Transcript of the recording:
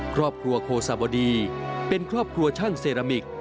ครอบครัวโคซาบดีเป็นครอบครัวช่างเซรามิก